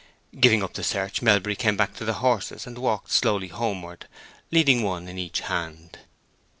Giving up the search, Melbury came back to the horses, and walked slowly homeward, leading one in each hand.